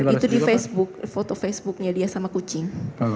itu di facebook foto facebooknya dia sama kucing